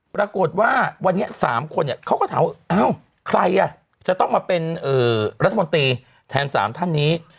ปรากฏว่าวันนี้๓คนเขาก็ถามว่าอ้าวใครจะต้องมาเป็นรัฐมนตรีแทน๓ท่านนี้